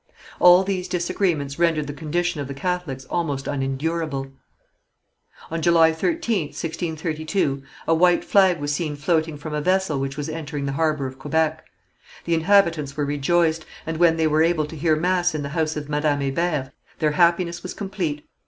All these disagreements rendered the condition of the Catholics almost unendurable. On July 13th, 1632, a white flag was seen floating from a vessel which was entering the harbour of Quebec. The inhabitants were rejoiced, and when they were able to hear mass in the house of Madame Hébert, their happiness was complete.